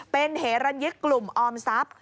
เป็นเหรันยึกกลุ่มออมทรัพย์